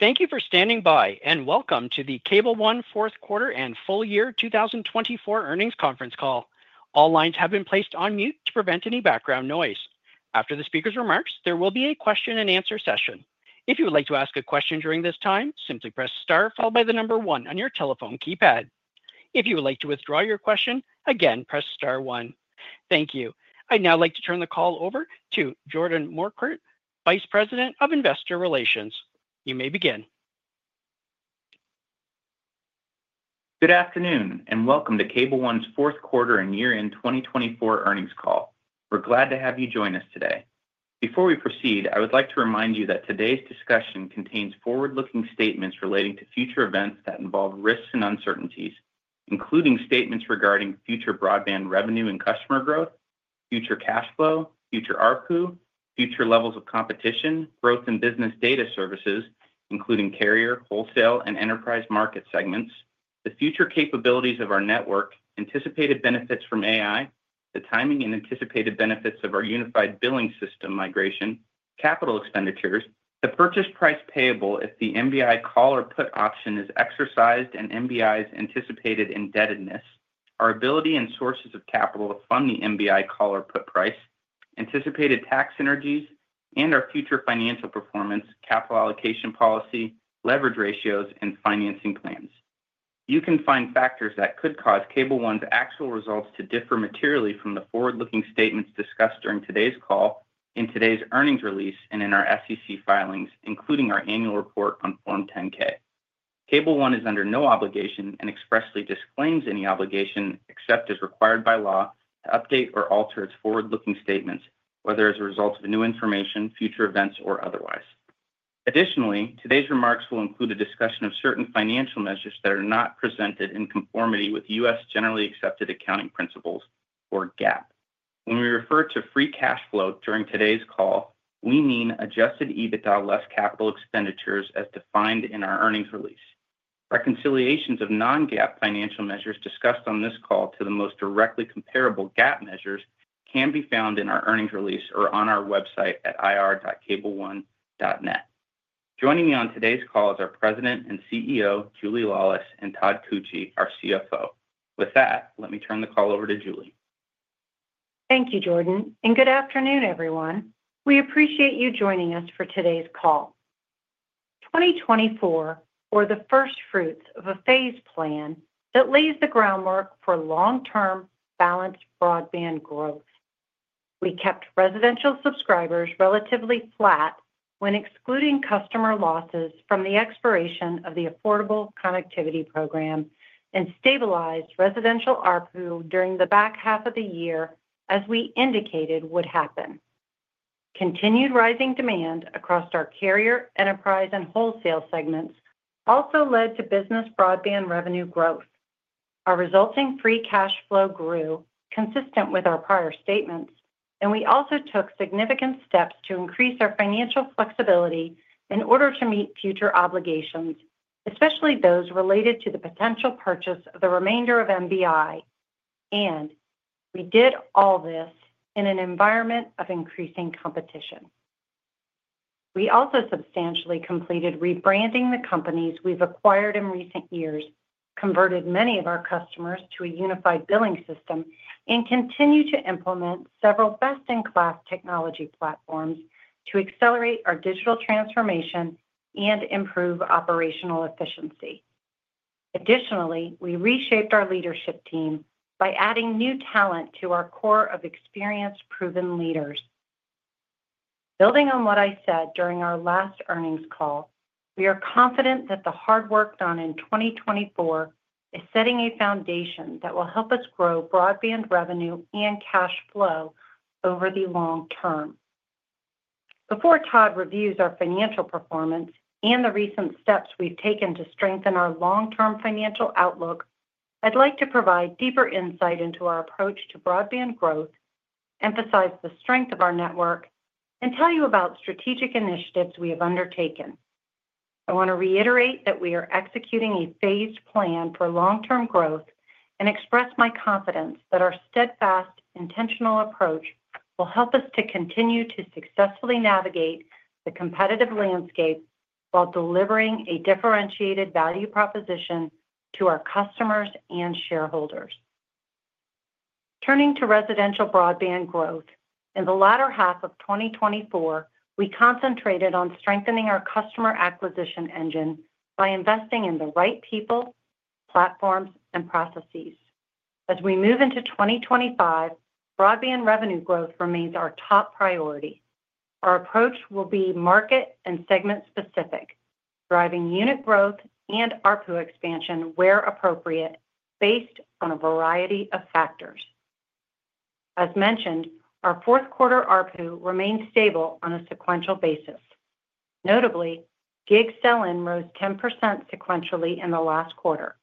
Thank you for standing by, and welcome to the Cable One Fourth Quarter and Full Year 2024 Earnings Conference Call. All lines have been placed on mute to prevent any background noise. After the speaker's remarks, there will be a question-and-answer session. If you would like to ask a question during this time, simply press star followed by the number one on your telephone keypad. If you would like to withdraw your question, again, press star one. Thank you. I'd now like to turn the call over to Jordan Morkert, Vice President of Investor Relations. You may begin. Good afternoon, and welcome to Cable One's fourth quarter and year-in 2024 earnings call. We're glad to have you join us today. Before we proceed, I would like to remind you that today's discussion contains forward-looking statements relating to future events that involve risks and uncertainties, including statements regarding future broadband revenue and customer growth, future cash flow, future ARPU, future levels of competition, growth in business data services, including carrier, wholesale, and enterprise market segments, the future capabilities of our network, anticipated benefits from AI, the timing and anticipated benefits of our unified billing system migration, capital expenditures, the purchase price payable if the MBI call or put option is exercised, and MBI's anticipated indebtedness, our ability and sources of capital to fund the MBI call or put price, anticipated tax synergies, and our future financial performance, capital allocation policy, leverage ratios, and financing plans. You can find factors that could cause Cable One's actual results to differ materially from the forward-looking statements discussed during today's call, in today's earnings release, and in our SEC filings, including our annual report on Form 10-K. Cable One is under no obligation and expressly disclaims any obligation, except as required by law, to update or alter its forward-looking statements, whether as a result of new information, future events, or otherwise. Additionally, today's remarks will include a discussion of certain financial measures that are not presented in conformity with U.S. generally accepted accounting principles, or GAAP. When we refer to Free Cash Flow during today's call, we mean Adjusted EBITDA less capital expenditures as defined in our earnings release. Reconciliations of Non-GAAP financial measures discussed on this call to the most directly comparable GAAP measures can be found in our earnings release or on our website at ir.cableone.net. Joining me on today's call is our President and CEO, Julie Laulis, and Todd Koetje, our CFO. With that, let me turn the call over to Julie. Thank you, Jordan, and good afternoon, everyone. We appreciate you joining us for today's call. 2024 bore the first fruits of a phased plan that lays the groundwork for long-term balanced broadband growth. We kept residential subscribers relatively flat when excluding customer losses from the expiration of the Affordable Connectivity Program and stabilized residential ARPU during the back half of the year, as we indicated would happen. Continued rising demand across our carrier, enterprise, and wholesale segments also led to business broadband revenue growth. Our resulting Free Cash Flow grew, consistent with our prior statements, and we also took significant steps to increase our financial flexibility in order to meet future obligations, especially those related to the potential purchase of the remainder of MBI, and we did all this in an environment of increasing competition. We also substantially completed rebranding the companies we've acquired in recent years, converted many of our customers to a unified billing system, and continue to implement several best-in-class technology platforms to accelerate our digital transformation and improve operational efficiency. Additionally, we reshaped our leadership team by adding new talent to our core of experienced, proven leaders. Building on what I said during our last earnings call, we are confident that the hard work done in 2024 is setting a foundation that will help us grow broadband revenue and cash flow over the long term. Before Todd reviews our financial performance and the recent steps we've taken to strengthen our long-term financial outlook, I'd like to provide deeper insight into our approach to broadband growth, emphasize the strength of our network, and tell you about strategic initiatives we have undertaken. I want to reiterate that we are executing a phased plan for long-term growth and express my confidence that our steadfast, intentional approach will help us to continue to successfully navigate the competitive landscape while delivering a differentiated value proposition to our customers and shareholders. Turning to residential broadband growth, in the latter half of 2024, we concentrated on strengthening our customer acquisition engine by investing in the right people, platforms, and processes. As we move into 2025, broadband revenue growth remains our top priority. Our approach will be market and segment-specific, driving unit growth and ARPU expansion where appropriate, based on a variety of factors. As mentioned, our fourth quarter ARPU remained stable on a sequential basis. Notably, gig sell-in rose 10% sequentially in the last quarter.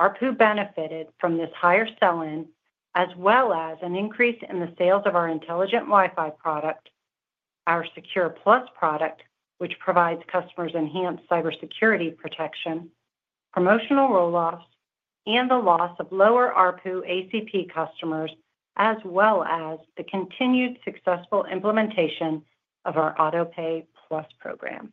ARPU benefited from this higher sell-in, as well as an increase in the sales of our Intelligent Wi-Fi product, our SecurePlus product, which provides customers enhanced cybersecurity protection, promotional rolloffs, and the loss of lower ARPU ACP customers, as well as the continued successful implementation of our AutoPayPlus program.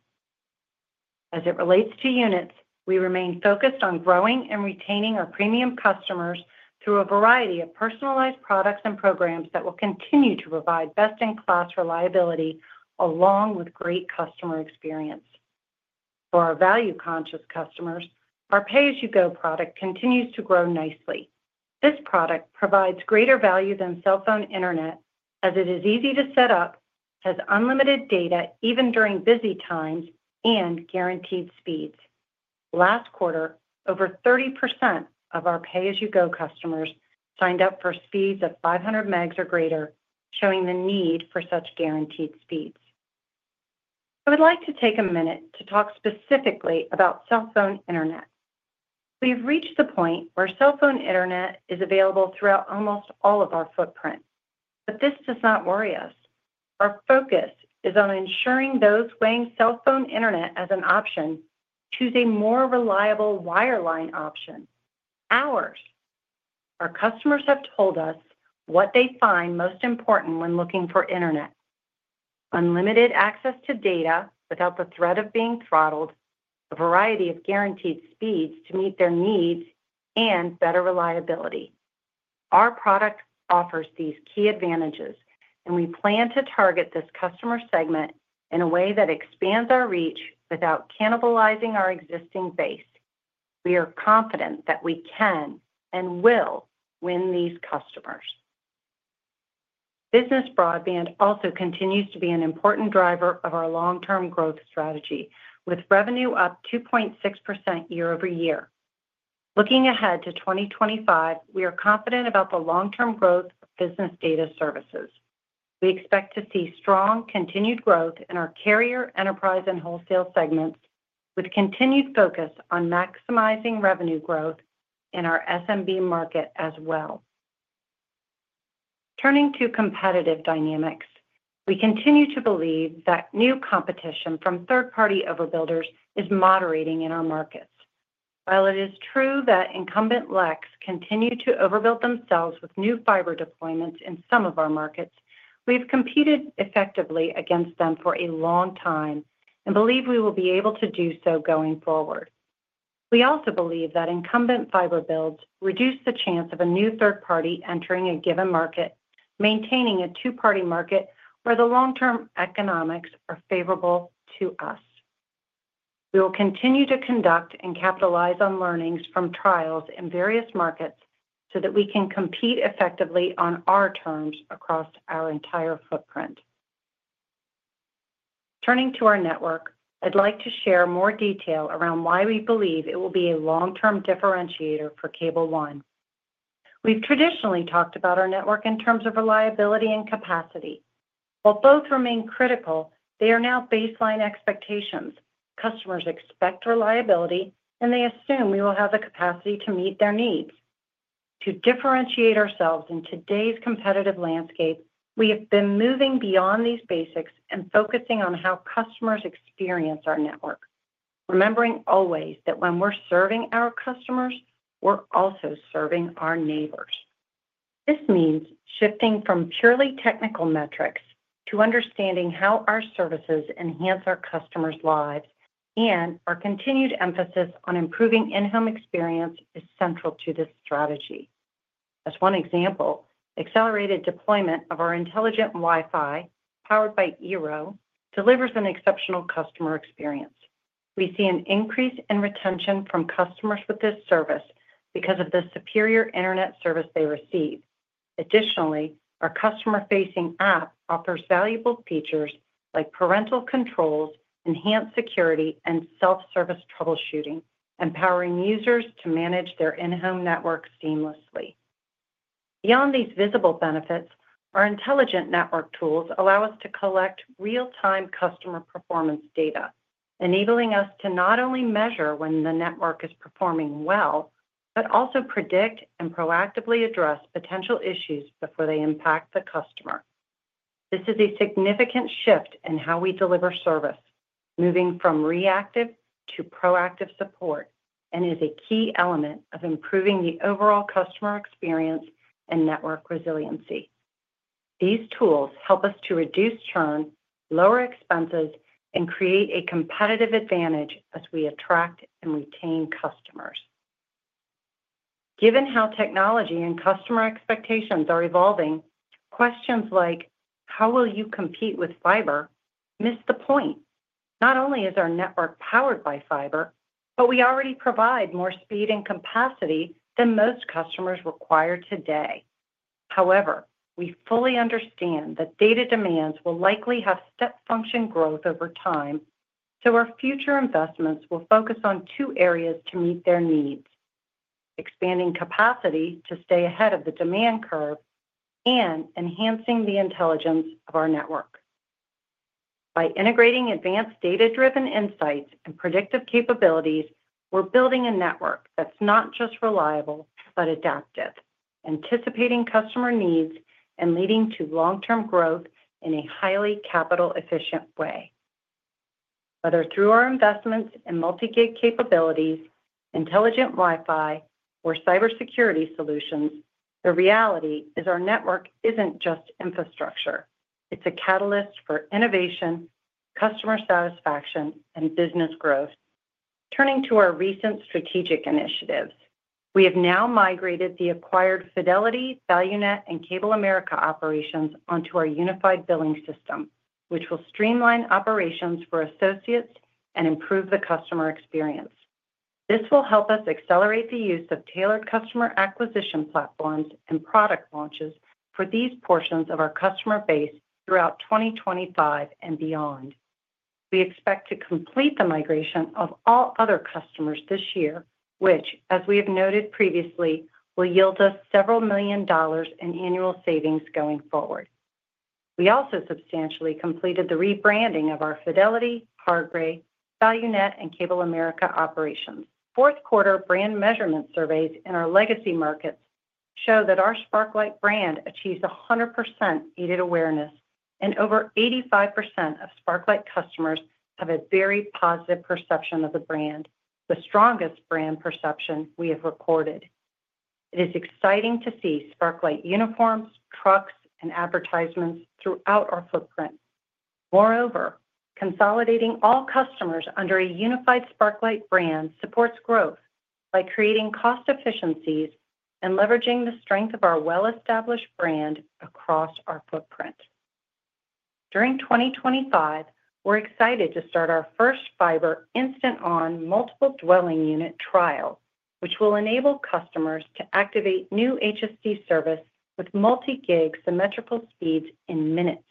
As it relates to units, we remain focused on growing and retaining our premium customers through a variety of personalized products and programs that will continue to provide best-in-class reliability along with great customer experience. For our value-conscious customers, our Pay-As-You-Go product continues to grow nicely. This product provides greater value than cell phone internet, as it is easy to set up, has unlimited data even during busy times, and guaranteed speeds. Last quarter, over 30% of our Pay-As-You-Go customers signed up for speeds of 500 megs or greater, showing the need for such guaranteed speeds. I would like to take a minute to talk specifically about cell phone internet. We have reached the point where cell phone internet is available throughout almost all of our footprint, but this does not worry us. Our focus is on ensuring those weighing cell phone internet as an option choose a more reliable wireline option, ours. Our customers have told us what they find most important when looking for internet: unlimited access to data without the threat of being throttled, a variety of guaranteed speeds to meet their needs, and better reliability. Our product offers these key advantages, and we plan to target this customer segment in a way that expands our reach without cannibalizing our existing base. We are confident that we can and will win these customers. Business broadband also continues to be an important driver of our long-term growth strategy, with revenue up 2.6% year-over-year. Looking ahead to 2025, we are confident about the long-term growth of business data services. We expect to see strong continued growth in our carrier, enterprise, and wholesale segments, with continued focus on maximizing revenue growth in our SMB market as well. Turning to competitive dynamics, we continue to believe that new competition from third-party overbuilders is moderating in our markets. While it is true that incumbent LECs continue to overbuild themselves with new fiber deployments in some of our markets, we have competed effectively against them for a long time and believe we will be able to do so going forward. We also believe that incumbent fiber builds reduce the chance of a new third party entering a given market, maintaining a two-party market where the long-term economics are favorable to us. We will continue to conduct and capitalize on learnings from trials in various markets so that we can compete effectively on our terms across our entire footprint. Turning to our network, I'd like to share more detail around why we believe it will be a long-term differentiator for Cable One. We've traditionally talked about our network in terms of reliability and capacity. While both remain critical, they are now baseline expectations. Customers expect reliability, and they assume we will have the capacity to meet their needs. To differentiate ourselves in today's competitive landscape, we have been moving beyond these basics and focusing on how customers experience our network, remembering always that when we're serving our customers, we're also serving our neighbors. This means shifting from purely technical metrics to understanding how our services enhance our customers' lives, and our continued emphasis on improving in-home experience is central to this strategy. As one example, accelerated deployment of our Intelligent Wi-Fi powered by eero delivers an exceptional customer experience. We see an increase in retention from customers with this service because of the superior internet service they receive. Additionally, our customer-facing app offers valuable features like parental controls, enhanced security, and self-service troubleshooting, empowering users to manage their in-home network seamlessly. Beyond these visible benefits, our intelligent network tools allow us to collect real-time customer performance data, enabling us to not only measure when the network is performing well, but also predict and proactively address potential issues before they impact the customer. This is a significant shift in how we deliver service, moving from reactive to proactive support, and is a key element of improving the overall customer experience and network resiliency. These tools help us to reduce churn, lower expenses, and create a competitive advantage as we attract and retain customers. Given how technology and customer expectations are evolving, questions like "How will you compete with fiber?" miss the point. Not only is our network powered by fiber, but we already provide more speed and capacity than most customers require today. However, we fully understand that data demands will likely have step function growth over time, so our future investments will focus on two areas to meet their needs: expanding capacity to stay ahead of the demand curve and enhancing the intelligence of our network. By integrating advanced data-driven insights and predictive capabilities, we're building a network that's not just reliable, but adaptive, anticipating customer needs and leading to long-term growth in a highly capital-efficient way. Whether through our investments in multi-gig capabilities, Intelligent Wi-Fi, or cybersecurity solutions, the reality is our network isn't just infrastructure. It's a catalyst for innovation, customer satisfaction, and business growth. Turning to our recent strategic initiatives, we have now migrated the acquired Fidelity, ValueNet, and Cable America operations onto our Unified Billing System, which will streamline operations for associates and improve the customer experience. This will help us accelerate the use of tailored customer acquisition platforms and product launches for these portions of our customer base throughout 2025 and beyond. We expect to complete the migration of all other customers this year, which, as we have noted previously, will yield us several million dollars in annual savings going forward. We also substantially completed the rebranding of our Fidelity, Hargray, ValueNet, and Cable America operations. Fourth quarter brand measurement surveys in our legacy markets show that our Sparklight brand achieves 100% needed awareness, and over 85% of Sparklight customers have a very positive perception of the brand, the strongest brand perception we have recorded. It is exciting to see Sparklight uniforms, trucks, and advertisements throughout our footprint. Moreover, consolidating all customers under a unified Sparklight brand supports growth by creating cost efficiencies and leveraging the strength of our well-established brand across our footprint. During 2025, we're excited to start our first fiber instant-on multiple dwelling unit trial, which will enable customers to activate new HSD service with multi-gig symmetrical speeds in minutes.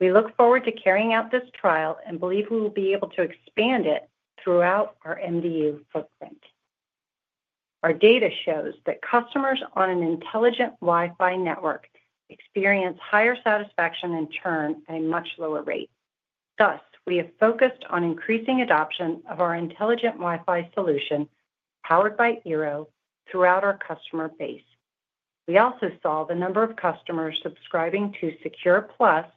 We look forward to carrying out this trial and believe we will be able to expand it throughout our MDU footprint. Our data shows that customers on an Intelligent Wi-Fi network experience higher satisfaction and churn at a much lower rate. Thus, we have focused on increasing adoption of our Intelligent Wi-Fi solution powered by eero throughout our customer base. We also saw the number of customers subscribing to SecurePlus,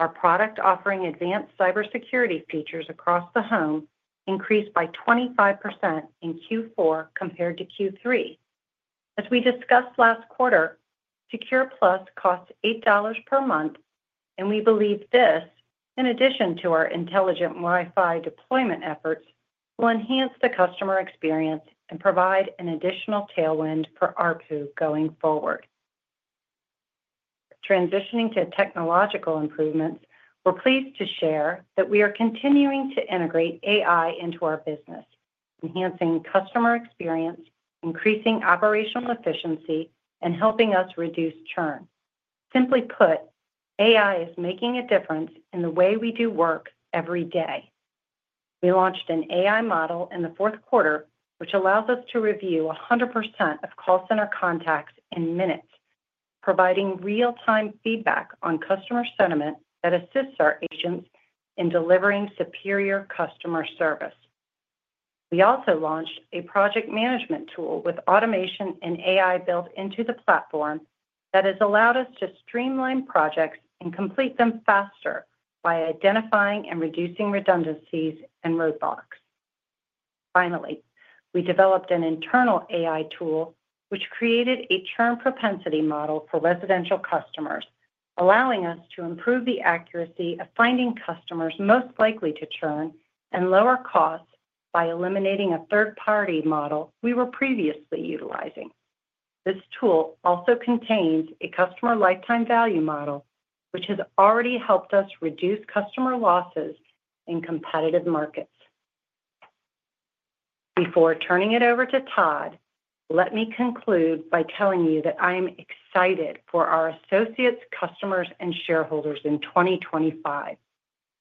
our product offering advanced cybersecurity features across the home, increase by 25% in Q4 compared to Q3. As we discussed last quarter, SecurePlus costs $8 per month, and we believe this, in addition to our Intelligent Wi-Fi deployment efforts, will enhance the customer experience and provide an additional tailwind for ARPU going forward. Transitioning to technological improvements, we're pleased to share that we are continuing to integrate AI into our business, enhancing customer experience, increasing operational efficiency, and helping us reduce churn. Simply put, AI is making a difference in the way we do work every day. We launched an AI model in the fourth quarter, which allows us to review 100% of call center contacts in minutes, providing real-time feedback on customer sentiment that assists our agents in delivering superior customer service. We also launched a project management tool with automation and AI built into the platform that has allowed us to streamline projects and complete them faster by identifying and reducing redundancies and roadblocks. Finally, we developed an internal AI tool, which created a churn propensity model for residential customers, allowing us to improve the accuracy of finding customers most likely to churn and lower costs by eliminating a third-party model we were previously utilizing. This tool also contains a customer lifetime value model, which has already helped us reduce customer losses in competitive markets. Before turning it over to Todd, let me conclude by telling you that I am excited for our associates, customers, and shareholders in 2025.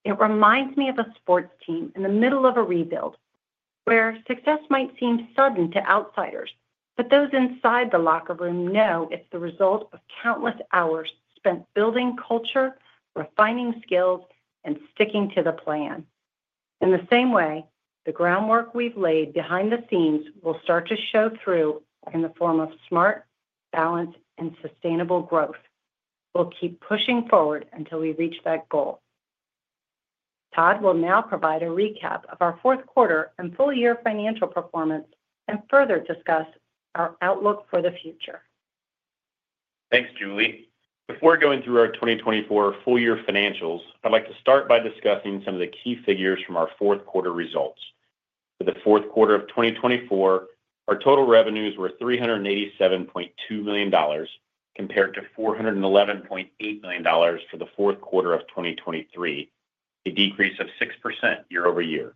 It reminds me of a sports team in the middle of a rebuild, where success might seem sudden to outsiders, but those inside the locker room know it's the result of countless hours spent building culture, refining skills, and sticking to the plan. In the same way, the groundwork we've laid behind the scenes will start to show through in the form of smart, balanced, and sustainable growth. We'll keep pushing forward until we reach that goal. Todd will now provide a recap of our fourth quarter and full-year financial performance and further discuss our outlook for the future. Thanks, Julie. Before going through our 2024 full-year financials, I'd like to start by discussing some of the key figures from our fourth quarter results. For the fourth quarter of 2024, our total revenues were $387.2 million compared to $411.8 million for the fourth quarter of 2023, a decrease of 6% year-over-year.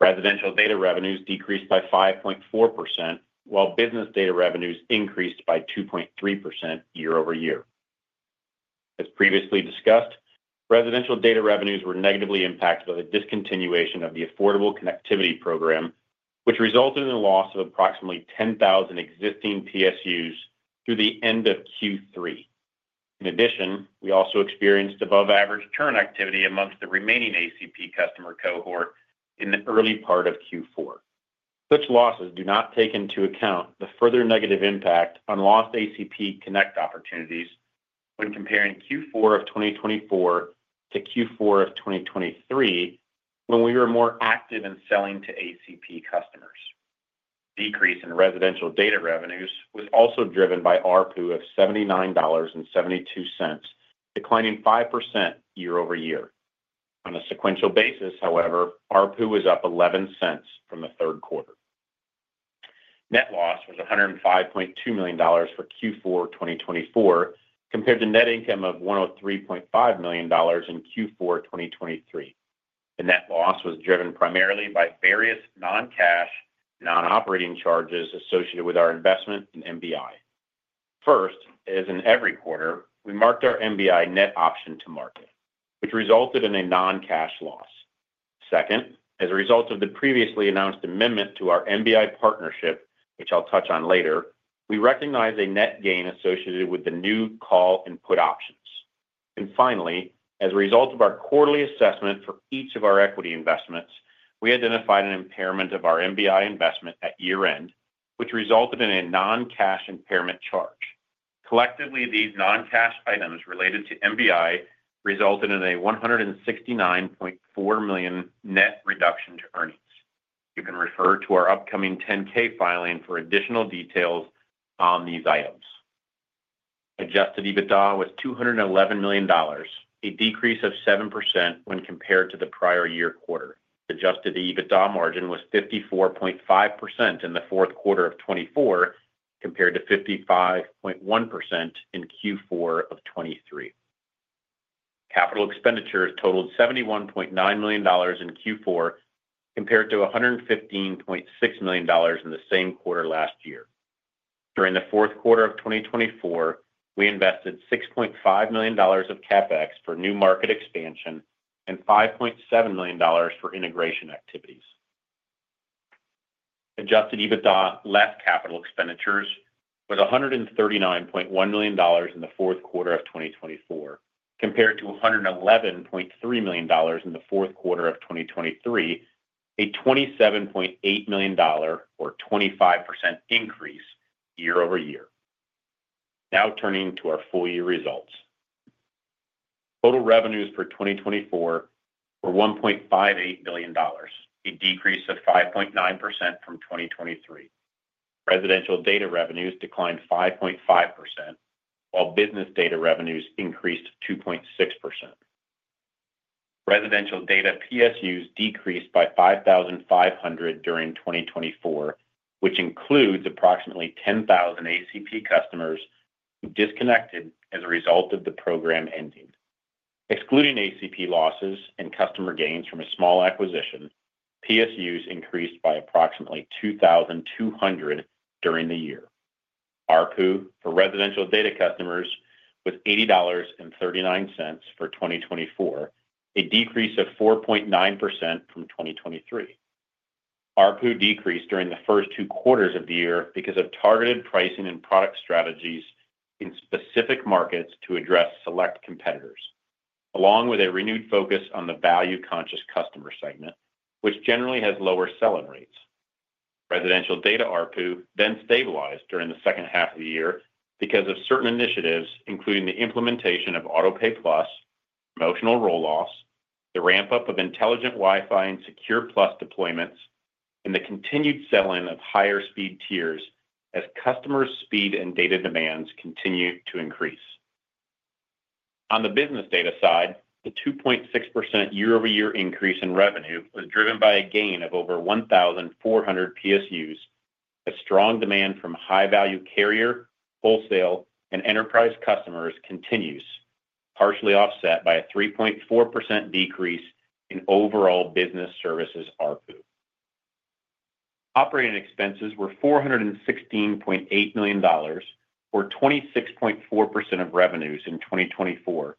Residential data revenues decreased by 5.4%, while business data revenues increased by 2.3% year-over-year. As previously discussed, residential data revenues were negatively impacted by the discontinuation of the Affordable Connectivity Program, which resulted in the loss of approximately 10,000 existing PSUs through the end of Q3. In addition, we also experienced above-average churn activity amongst the remaining ACP customer cohort in the early part of Q4. Such losses do not take into account the further negative impact on lost ACP Connect opportunities when comparing Q4 of 2024 to Q4 of 2023, when we were more active in selling to ACP customers. Decrease in residential data revenues was also driven by ARPU of $79.72, declining 5% year-over-year. On a sequential basis, however, ARPU was up $0.11 from the third quarter. Net loss was $105.2 million for Q4 2024 compared to net income of $103.5 million in Q4 2023. The net loss was driven primarily by various non-cash, non-operating charges associated with our investment in MBI. First, as in every quarter, we marked our MBI net option to market, which resulted in a non-cash loss. Second, as a result of the previously announced amendment to our MBI partnership, which I'll touch on later, we recognize a net gain associated with the new call and put options. Finally, as a result of our quarterly assessment for each of our equity investments, we identified an impairment of our MBI investment at year-end, which resulted in a non-cash impairment charge. Collectively, these non-cash items related to MBI resulted in a $169.4 million net reduction to earnings. You can refer to our upcoming 10-K filing for additional details on these items. Adjusted EBITDA was $211 million, a decrease of 7% when compared to the prior year quarter. Adjusted EBITDA margin was 54.5% in the fourth quarter of 2024 compared to 55.1% in Q4 of 2023. Capital expenditures totaled $71.9 million in Q4 compared to $115.6 million in the same quarter last year. During the fourth quarter of 2024, we invested $6.5 million of CapEx for new market expansion and $5.7 million for integration activities. Adjusted EBITDA less capital expenditures was $139.1 million in the fourth quarter of 2024 compared to $111.3 million in the fourth quarter of 2023, a $27.8 million, or 25% increase year-over-year. Now turning to our full-year results. Total revenues for 2024 were $1.58 billion, a decrease of 5.9% from 2023. Residential data revenues declined 5.5%, while business data revenues increased 2.6%. Residential data PSUs decreased by 5,500 during 2024, which includes approximately 10,000 ACP customers who disconnected as a result of the program ending. Excluding ACP losses and customer gains from a small acquisition, PSUs increased by approximately 2,200 during the year. ARPU for residential data customers was $80.39 for 2024, a decrease of 4.9% from 2023. ARPU decreased during the first two quarters of the year because of targeted pricing and product strategies in specific markets to address select competitors, along with a renewed focus on the value-conscious customer segment, which generally has lower selling rates. Residential data ARPU then stabilized during the second half of the year because of certain initiatives, including the implementation of AutoPayPlus, promotional roll-offs, the ramp-up of Intelligent Wi-Fi and SecurePlus deployments, and the continued selling of higher speed tiers as customer speed and data demands continued to increase. On the business data side, the 2.6% year-over-year increase in revenue was driven by a gain of over 1,400 PSUs. A strong demand from high-value carrier, wholesale, and enterprise customers continues, partially offset by a 3.4% decrease in overall business services ARPU. Operating expenses were $416.8 million, or 26.4% of revenues in 2024,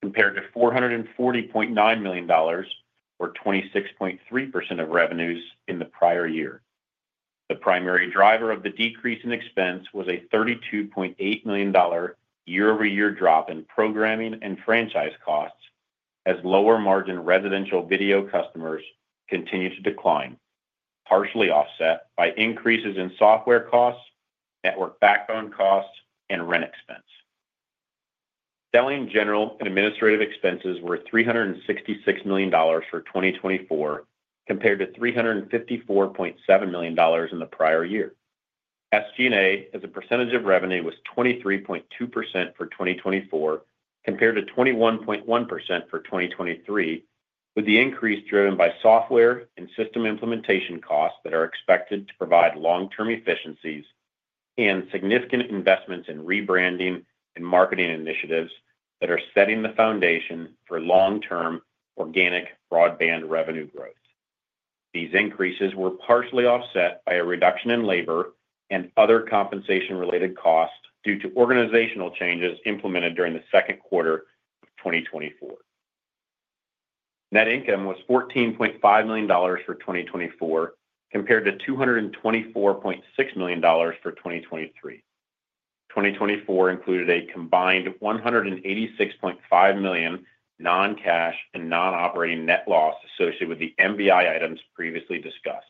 compared to $440.9 million, or 26.3% of revenues in the prior year. The primary driver of the decrease in expense was a $32.8 million year-over-year drop in programming and franchise costs as lower-margin residential video customers continued to decline, partially offset by increases in software costs, network backbone costs, and rent expense. Selling, general, and administrative expenses were $366 million for 2024, compared to $354.7 million in the prior year. SG&A as a percentage of revenue was 23.2% for 2024, compared to 21.1% for 2023, with the increase driven by software and system implementation costs that are expected to provide long-term efficiencies and significant investments in rebranding and marketing initiatives that are setting the foundation for long-term organic broadband revenue growth. These increases were partially offset by a reduction in labor and other compensation-related costs due to organizational changes implemented during the second quarter of 2024. Net income was $14.5 million for 2024, compared to $224.6 million for 2023. 2024 included a combined $186.5 million non-cash and non-operating net loss associated with the MBI items previously discussed.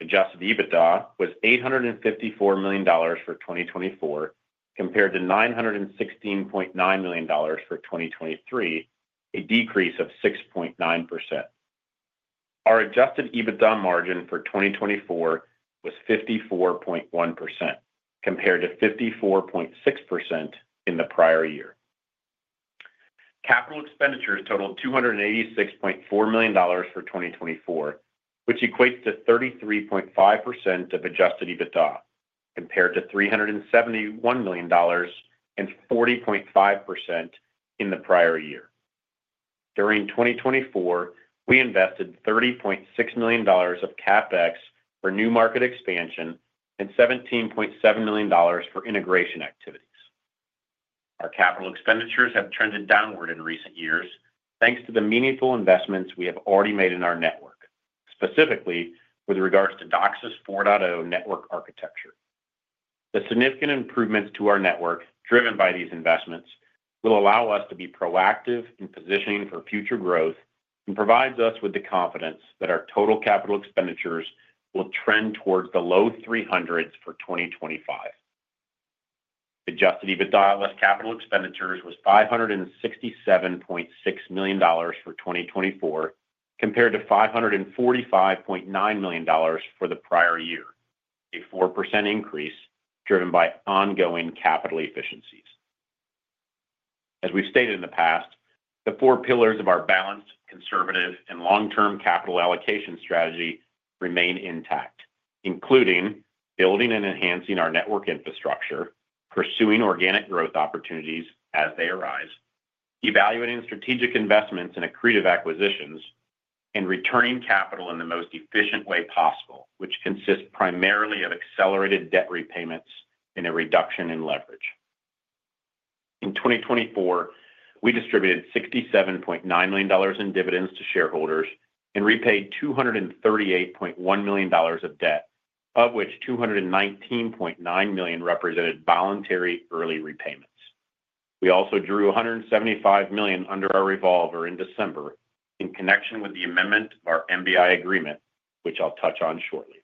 Adjusted EBITDA was $854 million for 2024, compared to $916.9 million for 2023, a decrease of 6.9%. Our Adjusted EBITDA margin for 2024 was 54.1%, compared to 54.6% in the prior year. Capital expenditures totaled $286.4 million for 2024, which equates to 33.5% of Adjusted EBITDA, compared to $371 million and 40.5% in the prior year. During 2024, we invested $30.6 million of CapEx for new market expansion and $17.7 million for integration activities. Our capital expenditures have trended downward in recent years, thanks to the meaningful investments we have already made in our network, specifically with regards to DOCSIS 4.0 network architecture. The significant improvements to our network, driven by these investments, will allow us to be proactive in positioning for future growth and provide us with the confidence that our total capital expenditures will trend towards the low $300 million for 2025. Adjusted EBITDA less capital expenditures was $567.6 million for 2024, compared to $545.9 million for the prior year, a 4% increase driven by ongoing capital efficiencies. As we've stated in the past, the four pillars of our balanced, conservative, and long-term capital allocation strategy remain intact, including building and enhancing our network infrastructure, pursuing organic growth opportunities as they arise, evaluating strategic investments and accretive acquisitions, and returning capital in the most efficient way possible, which consists primarily of accelerated debt repayments and a reduction in leverage. In 2024, we distributed $67.9 million in dividends to shareholders and repaid $238.1 million of debt, of which $219.9 million represented voluntary early repayments. We also drew $175 million under our revolver in December in connection with the amendment of our MBI agreement, which I'll touch on shortly.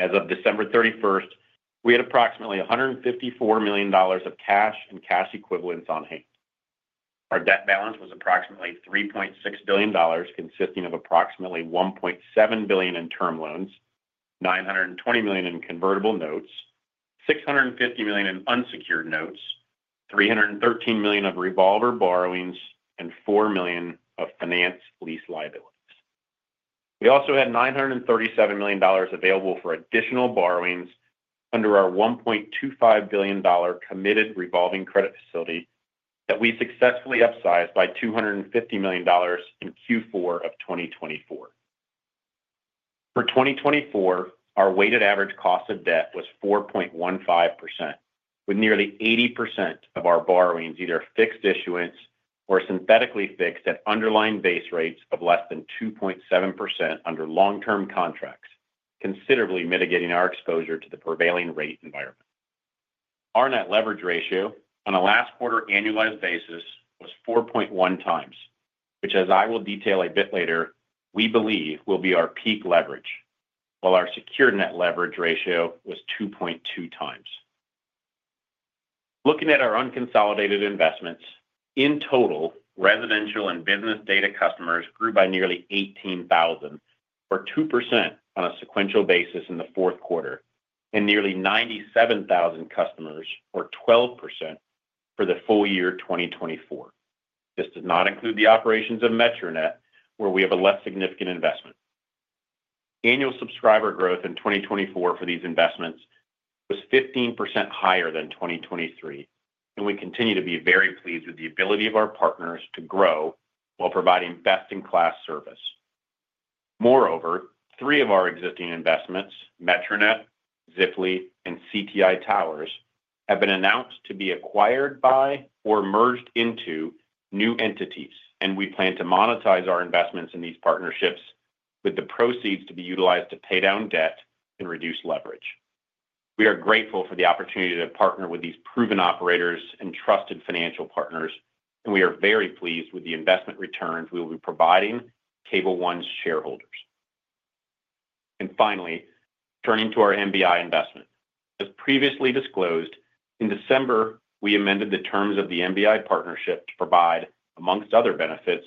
As of December 31st, we had approximately $154 million of cash and cash equivalents on hand. Our debt balance was approximately $3.6 billion, consisting of approximately $1.7 billion in term loans, $920 million in convertible notes, $650 million in unsecured notes, $313 million of revolver borrowings, and $4 million of finance lease liabilities. We also had $937 million available for additional borrowings under our $1.25 billion committed revolving credit facility that we successfully upsized by $250 million in Q4 of 2024. For 2024, our weighted average cost of debt was 4.15%, with nearly 80% of our borrowings either fixed issuance or synthetically fixed at underlying base rates of less than 2.7% under long-term contracts, considerably mitigating our exposure to the prevailing rate environment. Our net leverage ratio on a last quarter annualized basis was 4.1 times, which, as I will detail a bit later, we believe will be our peak leverage, while our secured net leverage ratio was 2.2x. Looking at our unconsolidated investments, in total, residential and business data customers grew by nearly 18,000, or 2% on a sequential basis in the fourth quarter, and nearly 97,000 customers, or 12%, for the full year 2024. This does not include the operations of Metronet, where we have a less significant investment. Annual subscriber growth in 2024 for these investments was 15% higher than 2023, and we continue to be very pleased with the ability of our partners to grow while providing best-in-class service. Moreover, three of our existing investments, Metronet, Ziply, and CTI Towers, have been announced to be acquired by or merged into new entities, and we plan to monetize our investments in these partnerships with the proceeds to be utilized to pay down debt and reduce leverage. We are grateful for the opportunity to partner with these proven operators and trusted financial partners, and we are very pleased with the investment returns we will be providing Cable One's shareholders. Finally, turning to our MBI investment. As previously disclosed, in December, we amended the terms of the MBI partnership to provide, amongst other benefits,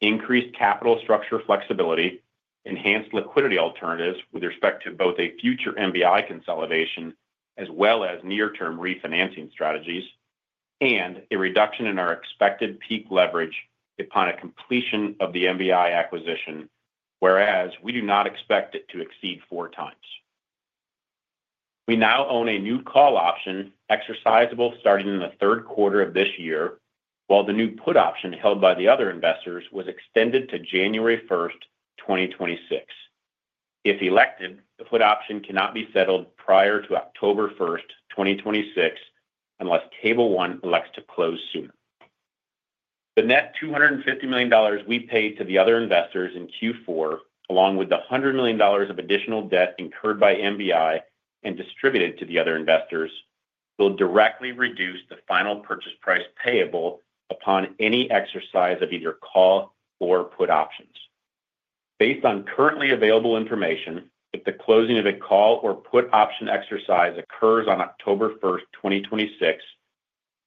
increased capital structure flexibility, enhanced liquidity alternatives with respect to both a future MBI consolidation as well as near-term refinancing strategies, and a reduction in our expected peak leverage upon completion of the MBI acquisition, whereas we do not expect it to exceed four times. We now own a new call option exercisable starting in the third quarter of this year, while the new put option held by the other investors was extended to January 1, 2026. If elected, the put option cannot be settled prior to October 1st, 2026, unless Cable One elects to close sooner. The net $250 million we paid to the other investors in Q4, along with the $100 million of additional debt incurred by MBI and distributed to the other investors, will directly reduce the final purchase price payable upon any exercise of either call or put options. Based on currently available information, if the closing of a call or put option exercise occurs on October 1st, 2026,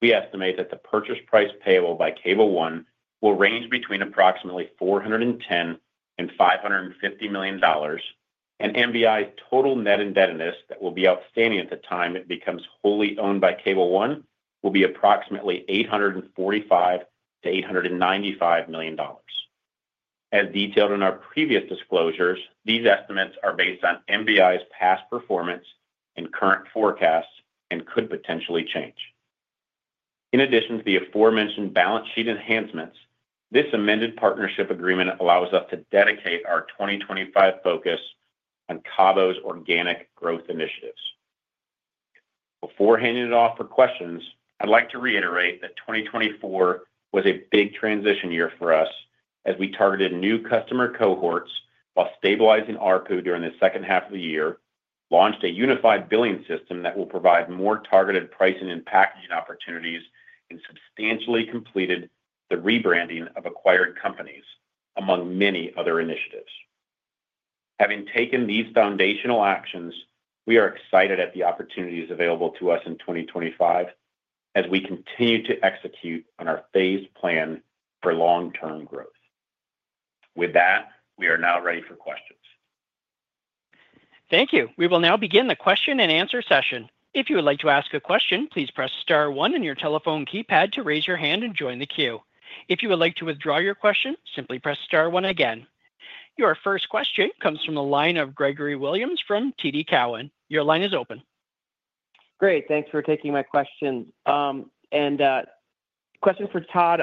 we estimate that the purchase price payable by Cable One will range between approximately $410 million and $550 million, and MBI's total net indebtedness that will be outstanding at the time it becomes wholly owned by Cable One will be approximately $845 million-$895 million. As detailed in our previous disclosures, these estimates are based on MBI's past performance and current forecasts and could potentially change. In addition to the aforementioned balance sheet enhancements, this amended partnership agreement allows us to dedicate our 2025 focus on Cable One's organic growth initiatives. Before handing it off for questions, I'd like to reiterate that 2024 was a big transition year for us as we targeted new customer cohorts while stabilizing ARPU during the second half of the year, launched a unified billing system that will provide more targeted pricing and packaging opportunities, and substantially completed the rebranding of acquired companies, among many other initiatives. Having taken these foundational actions, we are excited at the opportunities available to us in 2025 as we continue to execute on our phased plan for long-term growth. With that, we are now ready for questions. Thank you. We will now begin the question and answer session. If you would like to ask a question, please press star one on your telephone keypad to raise your hand and join the queue. If you would like to withdraw your question, simply press star one again. Your first question comes from the line of Gregory Williams from TD Cowen. Your line is open. Great. Thanks for taking my question. Question for Todd,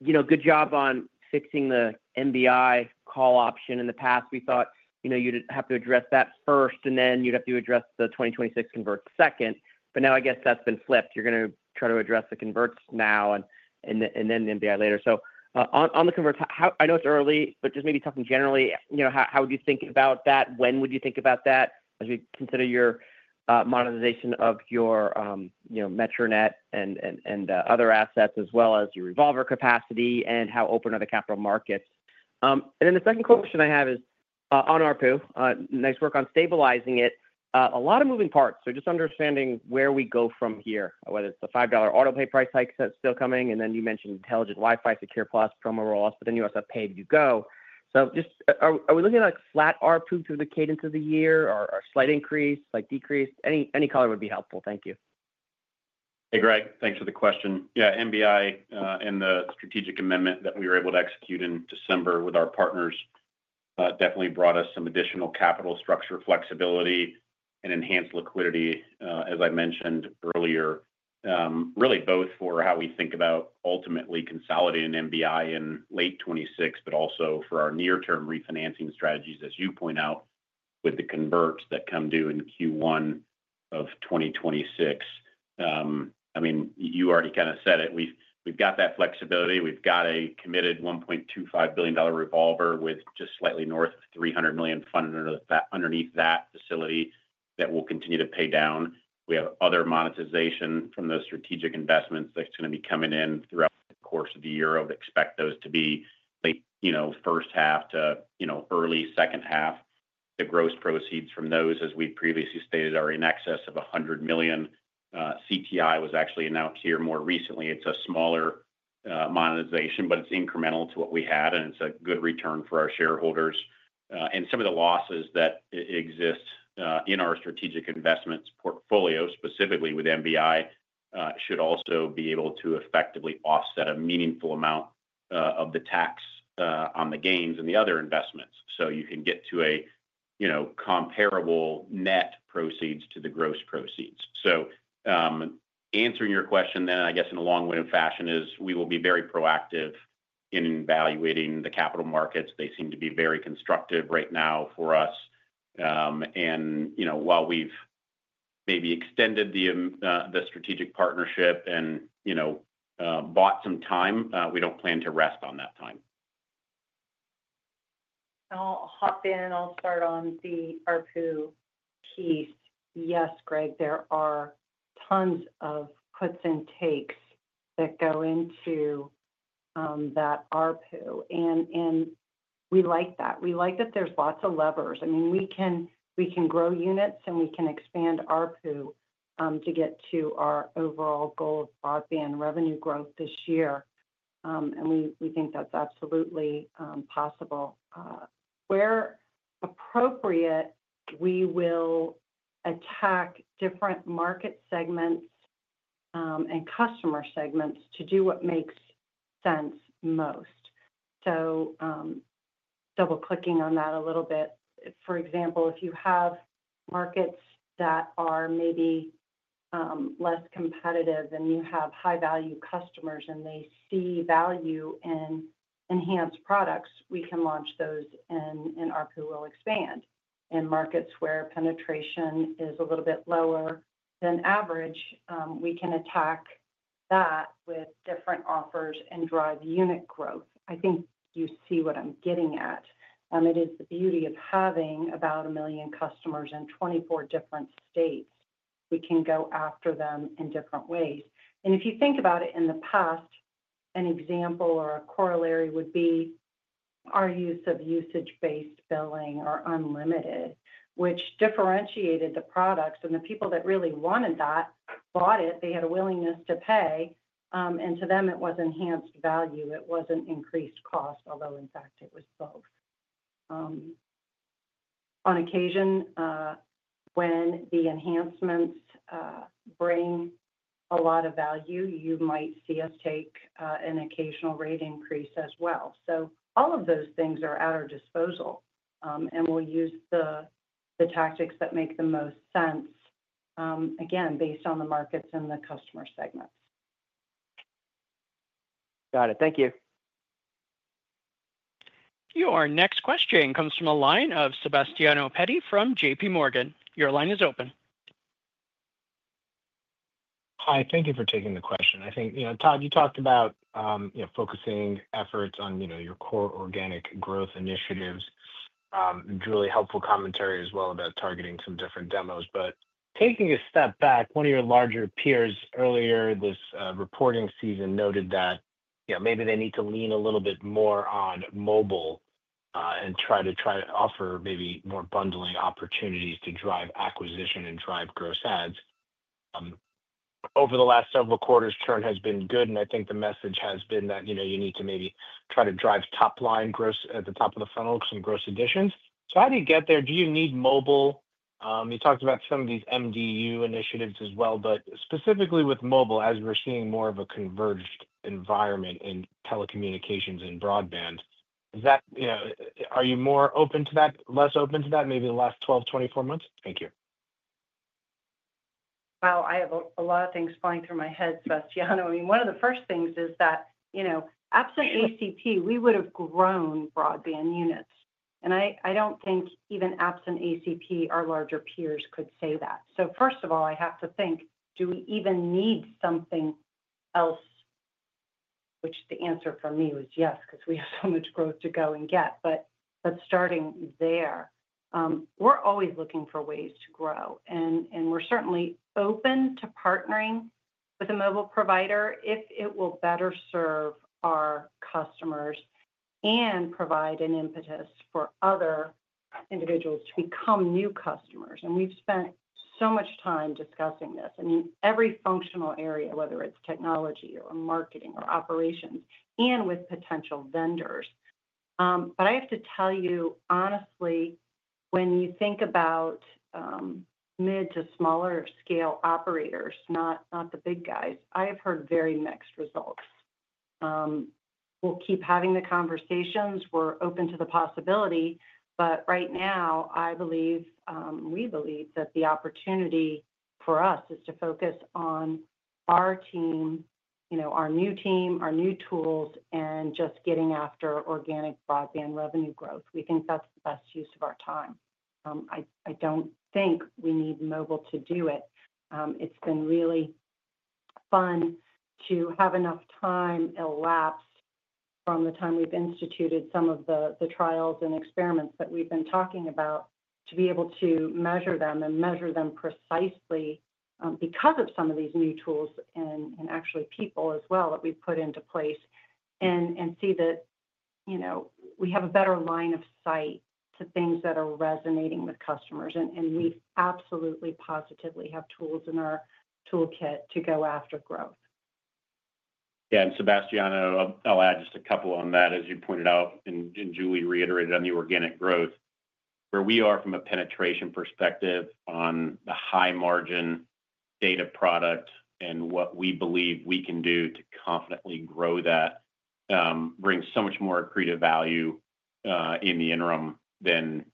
you know, good job on fixing the MBI call option. In the past, we thought you'd have to address that first, and then you'd have to address the 2026 convert second. Now, I guess that's been flipped. You're going to try to address the converts now and then the MBI later. On the converts, I know it's early, but just maybe talking generally, you know, how would you think about that? When would you think about that as we consider your monetization of your Metronet and other assets, as well as your revolver capacity, and how open are the capital markets? The second question I have is on ARPU, nice work on stabilizing it. A lot of moving parts. Just understanding where we go from here, whether it's the $5 AutoPayPlus price hikes that's still coming, and then you mentioned Intelligent Wi-Fi, SecurePlus promo rollouts, but then you also have Pay-As-You-Go. Just are we looking at a flat ARPU through the cadence of the year or a slight increase, slight decrease? Any color would be helpful. Thank you. Hey, Greg. Thanks for the question. Yeah, MBI and the strategic amendment that we were able to execute in December with our partners definitely brought us some additional capital structure flexibility and enhanced liquidity, as I mentioned earlier, really both for how we think about ultimately consolidating MBI in late 2026, but also for our near-term refinancing strategies, as you point out, with the converts that come due in Q1 of 2026. I mean, you already kind of said it. We've got that flexibility. We've got a committed $1.25 billion revolver with just slightly north of $300 million funded underneath that facility that will continue to pay down. We have other monetization from those strategic investments that's going to be coming in throughout the course of the year. I would expect those to be late, you know, first half to, you know, early second half. The gross proceeds from those, as we previously stated, are in excess of $100 million. CTI was actually announced here more recently. It's a smaller monetization, but it's incremental to what we had, and it's a good return for our shareholders. Some of the losses that exist in our strategic investments portfolio, specifically with MBI, should also be able to effectively offset a meaningful amount of the tax on the gains and the other investments. You can get to a, you know, comparable net proceeds to the gross proceeds. Answering your question then, I guess in a long-winded fashion is we will be very proactive in evaluating the capital markets. They seem to be very constructive right now for us. You know, while we've maybe extended the strategic partnership and, you know, bought some time, we don't plan to rest on that time. I'll hop in and I'll start on the ARPU piece. Yes, Greg, there are tons of puts and takes that go into that ARPU. I mean, we like that. We like that there's lots of levers. I mean, we can grow units and we can expand ARPU to get to our overall goal of broadband revenue growth this year. We think that's absolutely possible. Where appropriate, we will attack different market segments and customer segments to do what makes sense most. Double-clicking on that a little bit. For example, if you have markets that are maybe less competitive and you have high-value customers and they see value in enhanced products, we can launch those and ARPU will expand. In markets where penetration is a little bit lower than average, we can attack that with different offers and drive unit growth. I think you see what I'm getting at. It is the beauty of having about a million customers in 24 different states. We can go after them in different ways. If you think about it in the past, an example or a corollary would be our use of usage-based billing or unlimited, which differentiated the products. The people that really wanted that bought it. They had a willingness to pay. To them, it was enhanced value. It was not increased cost, although in fact it was both. On occasion, when the enhancements bring a lot of value, you might see us take an occasional rate increase as well. All of those things are at our disposal, and we will use the tactics that make the most sense, again, based on the markets and the customer segments. Got it. Thank you. Your next question comes from a line of Sebastiano Petti from JPMorgan. Your line is open. Hi. Thank you for taking the question. I think, you know, Todd, you talked about, you know, focusing efforts on, you know, your core organic growth initiatives. It's really helpful commentary as well about targeting some different demos. Taking a step back, one of your larger peers earlier this reporting season noted that, you know, maybe they need to lean a little bit more on mobile and try to try to offer maybe more bundling opportunities to drive acquisition and drive gross ads. Over the last several quarters, churn has been good, and I think the message has been that, you know, you need to maybe try to drive top-line gross at the top of the funnel, some gross additions. How do you get there? Do you need mobile? You talked about some of these MDU initiatives as well, but specifically with mobile, as we're seeing more of a converged environment in telecommunications and broadband, is that, you know, are you more open to that, less open to that, maybe the last 12, 24 months? Thank you. I have a lot of things flying through my head, Sebastiano. I mean, one of the first things is that, you know, absent ACP, we would have grown broadband units. I don't think even absent ACP, our larger peers could say that. First of all, I have to think, do we even need something else, which the answer for me was yes, because we have so much growth to go and get but, starting there, we're always looking for ways to grow. We're certainly open to partnering with a mobile provider if it will better serve our customers and provide an impetus for other individuals to become new customers. We've spent so much time discussing this. I mean, every functional area, whether it's technology or marketing or operations and with potential vendors. I have to tell you, honestly, when you think about mid to smaller scale operators, not the big guys, I have heard very mixed results. We'll keep having the conversations. We're open to the possibility. Right now, I believe, we believe that the opportunity for us is to focus on our team, you know, our new team, our new tools, and just getting after organic broadband revenue growth. We think that's the best use of our time. I don't think we need mobile to do it. It's been really fun to have enough time elapsed from the time we've instituted some of the trials and experiments that we've been talking about to be able to measure them and measure them precisely because of some of these new tools and actually people as well that we've put into place and see that, you know, we have a better line of sight to things that are resonating with customers. We absolutely positively have tools in our toolkit to go after growth. Yeah. Sebastiano, I'll add just a couple on that, as you pointed out and Julie reiterated on the organic growth, where we are from a penetration perspective on the high-margin data product and what we believe we can do to confidently grow that, bring so much more accretive value in the interim than,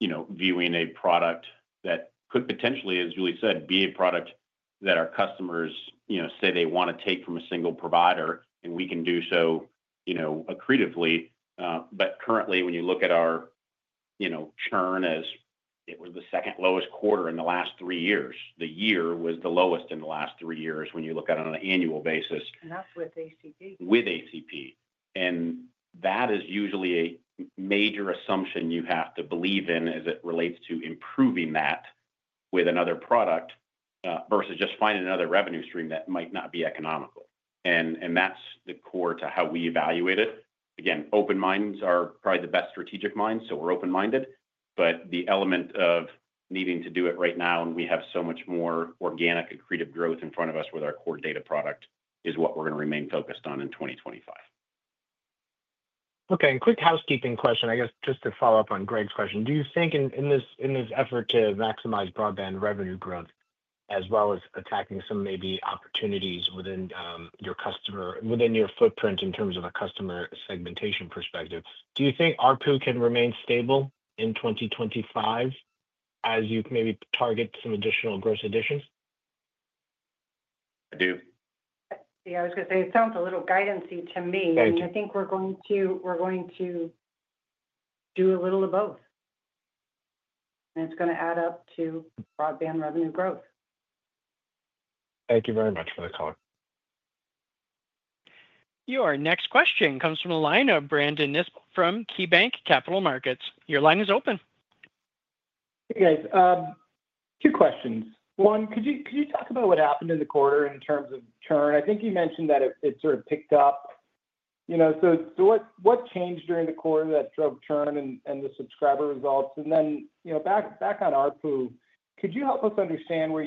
you know, viewing a product that could potentially, as Julie said, be a product that our customers, you know, say they want to take from a single provider, and we can do so, you know, accretively. Currently, when you look at our, you know, churn as it was the second lowest quarter in the last three years, the year was the lowest in the last three years when you look at it on an annual basis. That is with ACP. With ACP. That is usually a major assumption you have to believe in as it relates to improving that with another product versus just finding another revenue stream that might not be economical. That is the core to how we evaluate it. Again, open minds are probably the best strategic minds, so we're open-minded. The element of needing to do it right now, and we have so much more organic accretive growth in front of us with our core data product, is what we're going to remain focused on in 2025. Okay. Quick housekeeping question, I guess, just to follow up on Greg's question. Do you think in this effort to maximize broadband revenue growth, as well as attacking some maybe opportunities within your customer, within your footprint in terms of a customer segmentation perspective, do you think ARPU can remain stable in 2025 as you maybe target some additional gross additions? I do. Yeah. I was going to say it sounds a little guidance-y to me. I think we're going to do a little of both. It is going to add up to broadband revenue growth. Thank you very much for the color. Your next question comes from a line of Brandon Nispel from KeyBanc Capital Markets. Your line is open. Hey, guys. Two questions. One, could you talk about what happened in the quarter in terms of churn? I think you mentioned that it sort of picked up. You know, what changed during the quarter that drove churn and the subscriber results? You know, back on ARPU, could you help us understand where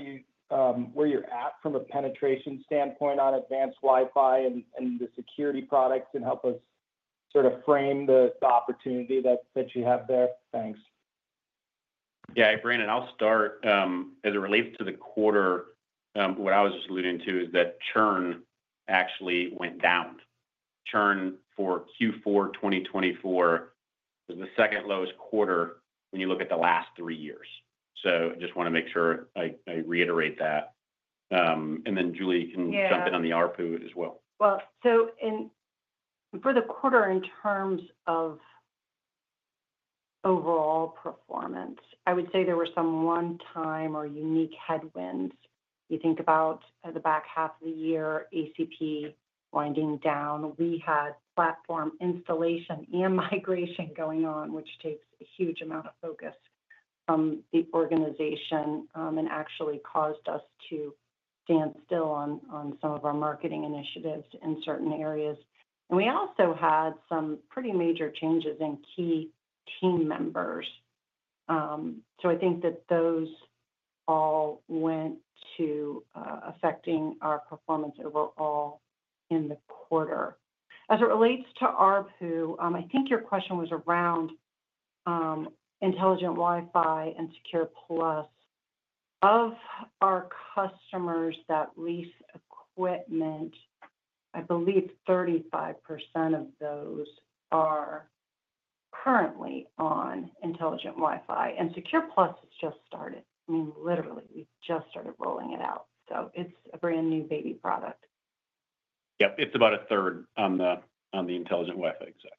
you're at from a penetration standpoint on advanced Wi-Fi and the security products and help us sort of frame the opportunity that you have there? Thanks. Yeah. Hey, Brandon, I'll start. As it relates to the quarter, what I was just alluding to is that churn actually went down. Churn for Q4 2024 was the second lowest quarter when you look at the last three years. I just want to make sure I reiterate that. Julie can jump in on the ARPU as well. For the quarter in terms of overall performance, I would say there were some one-time or unique headwinds. You think about the back half of the year, ACP winding down. We had platform installation and migration going on, which takes a huge amount of focus from the organization and actually caused us to stand still on some of our marketing initiatives in certain areas. We also had some pretty major changes in key team members. I think that those all went to affecting our performance overall in the quarter. As it relates to ARPU, I think your question was around Intelligent Wi-Fi and SecurePlus. Of our customers that lease equipment, I believe 35% of those are currently on Intelligent Wi-Fi. SecurePlus has just started. I mean, literally, we just started rolling it out. It is a brand new baby product. Yep. It's about a third on the Intelligent Wi-Fi exec. Thanks.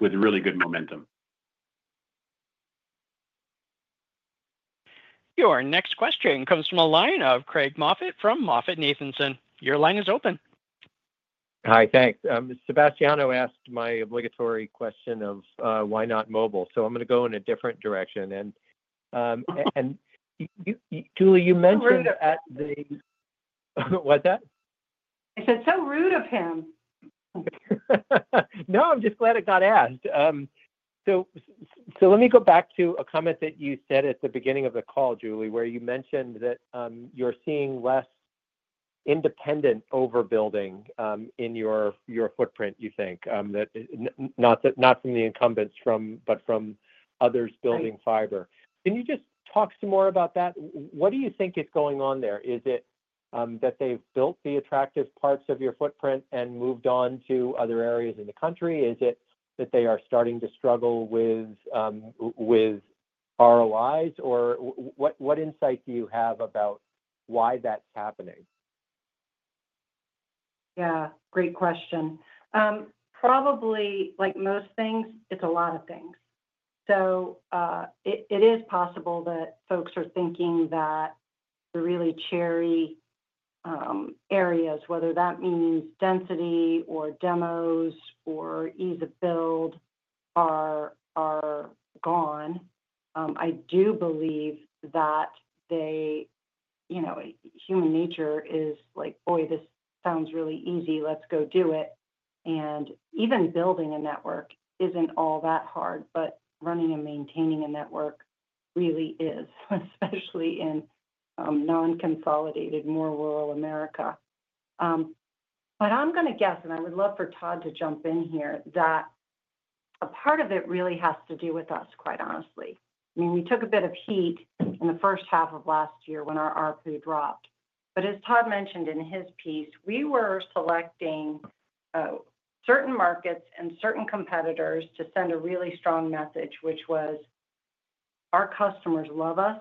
With really good momentum. Your next question comes from a line of Craig Moffett from MoffettNathanson. Your line is open. Hi. Thanks. Sebastiano asked my obligatory question of why not mobile. I am going to go in a different direction. Julie, you mentioned at the—what's that? I said, So rude of him. No, I'm just glad it got asked. Let me go back to a comment that you said at the beginning of the call, Julie, where you mentioned that you're seeing less independent overbuilding in your footprint, you think, not from the incumbents, but from others building fiber. Can you just talk some more about that? What do you think is going on there? Is it that they've built the attractive parts of your footprint and moved on to other areas in the country? Is it that they are starting to struggle with ROIs? Or what insight do you have about why that's happening? Yeah. Great question. Probably, like most things, it's a lot of things. It is possible that folks are thinking that the really cherry areas, whether that means density or demos or ease of build, are gone. I do believe that they, you know, human nature is like, "Boy, this sounds really easy. Let's go do it." Even building a network isn't all that hard, but running and maintaining a network really is, especially in non-consolidated, more rural America. I'm going to guess, and I would love for Todd to jump in here, that a part of it really has to do with us, quite honestly. I mean, we took a bit of heat in the first half of last year when our ARPU dropped. As Todd mentioned in his piece, we were selecting certain markets and certain competitors to send a really strong message, which was, "Our customers love us.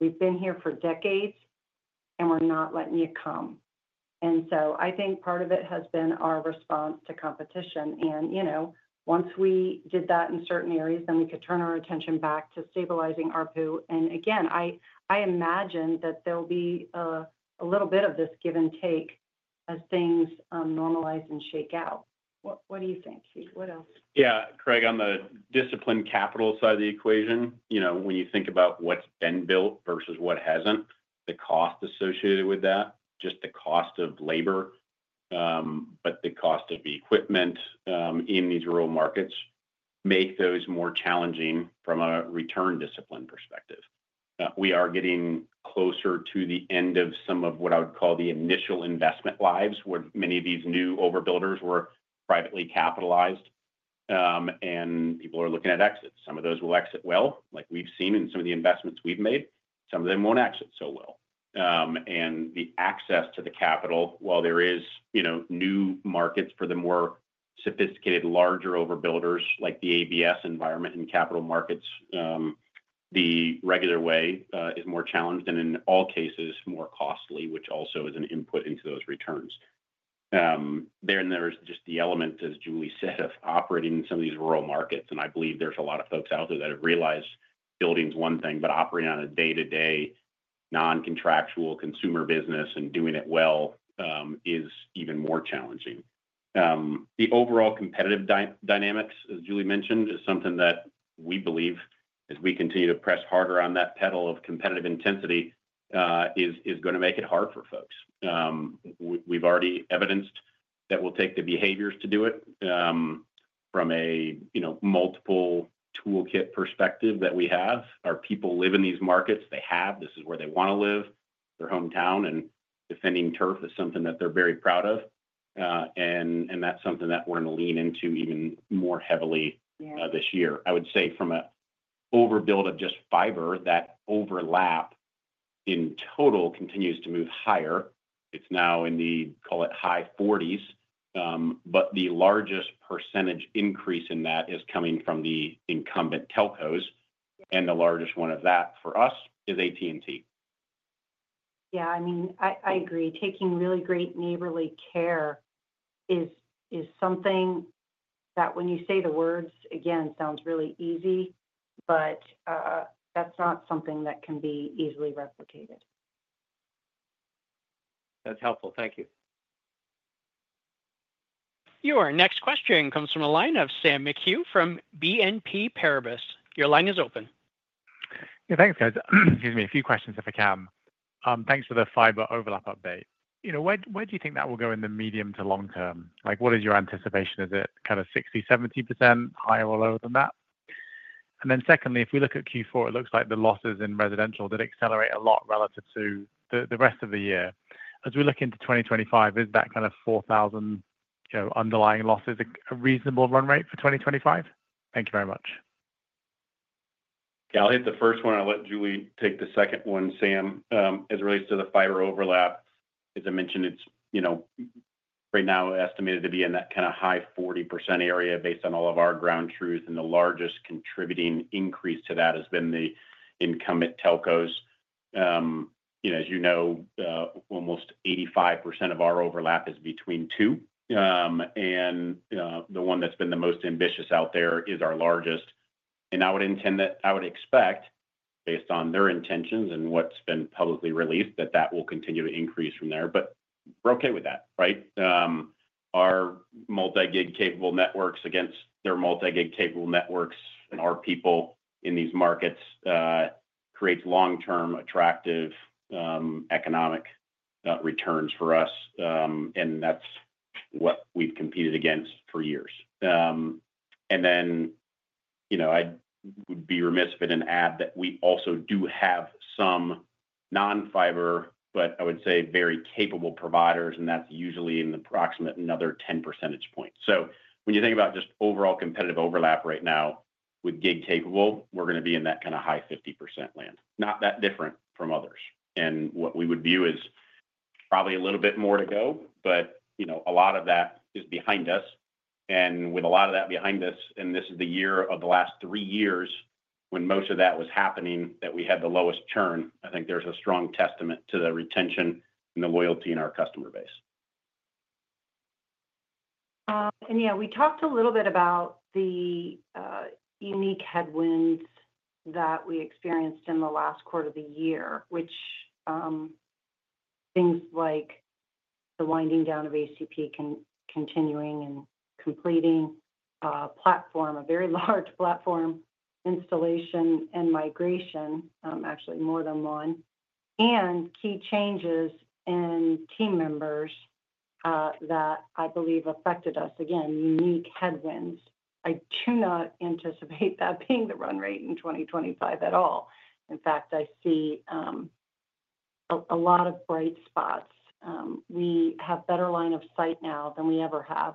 We've been here for decades, and we're not letting you come." I think part of it has been our response to competition. You know, once we did that in certain areas, we could turn our attention back to stabilizing ARPU. Again, I imagine that there will be a little bit of this give and take as things normalize and shake out. What do you think? What else? Yeah. Craig, on the discipline capital side of the equation, you know, when you think about what's been built versus what hasn't, the cost associated with that, just the cost of labor, but the cost of equipment in these rural markets make those more challenging from a return discipline perspective. We are getting closer to the end of some of what I would call the initial investment lives, where many of these new overbuilders were privately capitalized, and people are looking at exits. Some of those will exit well, like we've seen in some of the investments we've made. Some of them won't exit so well. The access to the capital, while there is, you know, new markets for the more sophisticated, larger overbuilders like the ABS environment and capital markets, the regular way is more challenged and in all cases more costly, which also is an input into those returns. There is just the element, as Julie said, of operating in some of these rural markets. I believe there is a lot of folks out there that have realized building is one thing, but operating on a day-to-day non-contractual consumer business and doing it well is even more challenging. The overall competitive dynamics, as Julie mentioned, is something that we believe, as we continue to press harder on that pedal of competitive intensity, is going to make it hard for folks. We have already evidenced that we will take the behaviors to do it. From a, you know, multiple toolkit perspective that we have, our people live in these markets. They have. This is where they want to live. Their hometown and defending turf is something that they're very proud of. That is something that we're going to lean into even more heavily this year. I would say from an overbuild of just fiber, that overlap in total continues to move higher. It's now in the, call it, high 40s. The largest percentage increase in that is coming from the incumbent telcos. The largest one of that for us is AT&T. Yeah. I mean, I agree. Taking really great neighborly care is something that when you say the words, again, sounds really easy, but that's not something that can be easily replicated. That's helpful. Thank you. Your next question comes from a line of Sam McHugh from BNP Paribas. Your line is open. Yeah. Thanks, guys. Excuse me. A few questions, if I can. Thanks for the fiber overlap update. You know, where do you think that will go in the medium to long term? Like, what is your anticipation? Is it kind of 60%-70%, higher or lower than that? Secondly, if we look at Q4, it looks like the losses in residential did accelerate a lot relative to the rest of the year. As we look into 2025, is that kind of 4,000, you know, underlying losses a reasonable run rate for 2025? Thank you very much. Yeah. I'll hit the first one. I'll let Julie take the second one, Sam. As it relates to the fiber overlap, as I mentioned, it's, you know, right now estimated to be in that kind of high 40% area based on all of our ground truth. The largest contributing increase to that has been the incumbent telcos. You know, as you know, almost 85% of our overlap is between two. The one that's been the most ambitious out there is our largest. I would expect, based on their intentions and what's been publicly released, that that will continue to increase from there. We're okay with that, right? Our multi-gig capable networks against their multi-gig capable networks and our people in these markets creates long-term attractive economic returns for us. That's what we've competed against for years. You know, I would be remiss if I didn't add that we also do have some non-fiber, but I would say very capable providers, and that's usually in the approximate another 10 percentage points. When you think about just overall competitive overlap right now with gig capable, we're going to be in that kind of high 50% land. Not that different from others. What we would view is probably a little bit more to go, but, you know, a lot of that is behind us. With a lot of that behind us, and this is the year of the last three years when most of that was happening that we had the lowest churn, I think there's a strong testament to the retention and the loyalty in our customer base. Yeah, we talked a little bit about the unique headwinds that we experienced in the last quarter of the year, which are things like the winding down of ACP continuing and completing platform, a very large platform installation and migration, actually more than one, and key changes in team members that I believe affected us. Again, unique headwinds. I do not anticipate that being the run rate in 2025 at all. In fact, I see a lot of bright spots. We have better line of sight now than we ever have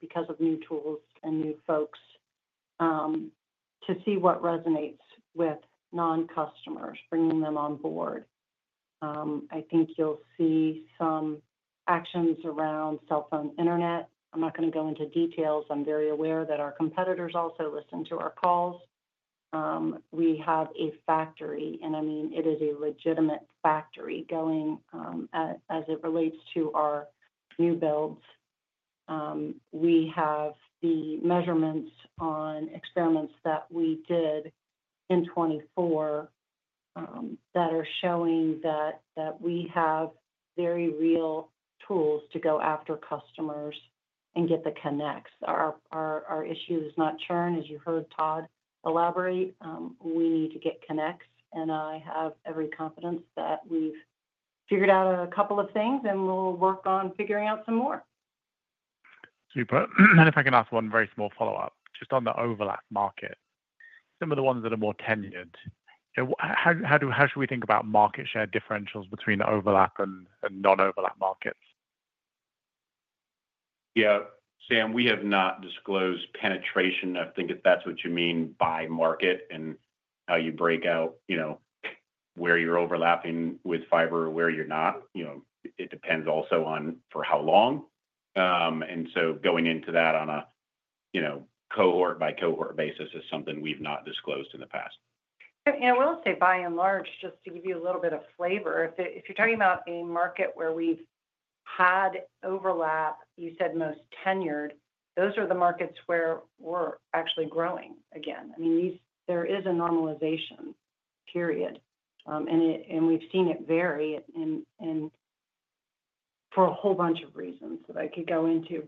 because of new tools and new folks to see what resonates with non-customers, bringing them on board. I think you'll see some actions around cell phone internet. I'm not going to go into details. I'm very aware that our competitors also listen to our calls. We have a factory, and I mean, it is a legitimate factory going as it relates to our new builds. We have the measurements on experiments that we did in 2024 that are showing that we have very real tools to go after customers and get the connects. Our issue is not churn. As you heard Todd elaborate, we need to get connects. I have every confidence that we've figured out a couple of things, and we'll work on figuring out some more. Super. If I can ask one very small follow-up, just on the overlap market, some of the ones that are more tenured, how should we think about market share differentials between the overlap and non-overlap markets? Yeah. Sam, we have not disclosed penetration. I think if that's what you mean by market and how you break out, you know, where you're overlapping with fiber or where you're not, you know, it depends also on for how long. Going into that on a, you know, cohort-by-cohort basis is something we've not disclosed in the past. I will say, by and large, just to give you a little bit of flavor, if you're talking about a market where we've had overlap, you said most tenured, those are the markets where we're actually growing again. I mean, there is a normalization period, and we've seen it vary for a whole bunch of reasons that I could go into.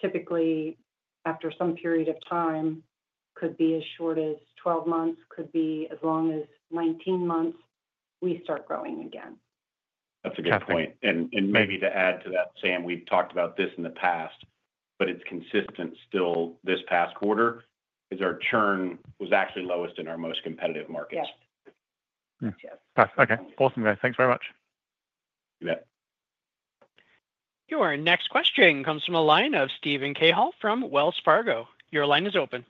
Typically, after some period of time, could be as short as 12 months, could be as long as 19 months, we start growing again. That's a good point. Maybe to add to that, Sam, we've talked about this in the past, but it's consistent still this past quarter. Our churn was actually lowest in our most competitive markets. Yes. Yes. Okay. Awesome, guys. Thanks very much. You bet. Your next question comes from a line of Steven Cahall from Wells Fargo. Your line is open.